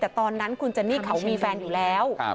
แต่ตอนนั้นคุณเจนนี่เขามีแฟนอยู่แล้ว